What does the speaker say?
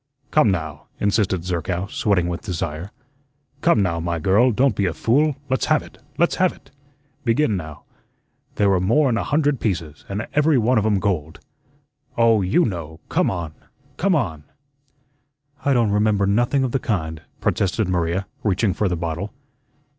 "Come, now," insisted Zerkow, sweating with desire, "come, now, my girl, don't be a fool; let's have it, let's have it. Begin now, 'There were more'n a hundred pieces, and every one of 'em gold.' Oh, YOU know; come on, come on." "I don't remember nothing of the kind," protested Maria, reaching for the bottle.